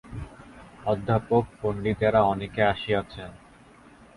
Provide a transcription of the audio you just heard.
অধ্যাপক-পণ্ডিতেরা অনেকে আসিয়াছেন।